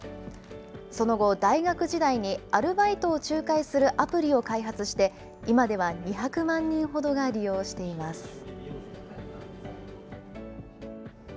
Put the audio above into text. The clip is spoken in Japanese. その後、大学時代にアルバイトを仲介するアプリを開発して、今では２００万人ほどが利用しています。